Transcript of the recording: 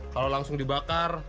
kalau langsung dibakar